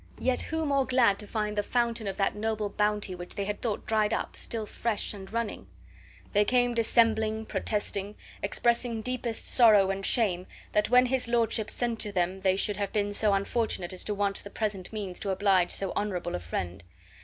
Yet who more glad to find the fountain of that noble bounty which they had thought dried up, still fresh and running? They came dissembling, protesting, expressing deepest sorrow and shame, that when his lordship sent to them they should have been so unfortunate as to want the present means to oblige so honorable a friend.